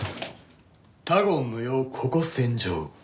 他言無用ここ戦場。